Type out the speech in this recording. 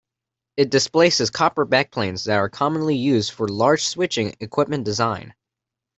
It displaces copper backplanes that are commonly used for large switching equipment design.